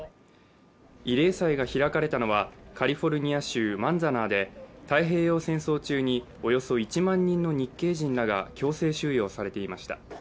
慰霊祭が開かれたのはカリフォルニア州マンザナーで太平洋戦争中におよそ１万人の日系人らが強制収容されていました。